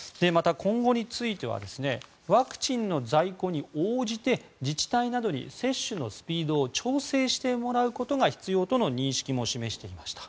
また、今後についてはワクチンの在庫に応じて自治体などに接種のスピードを調整してもらうことが必要との認識も示していました。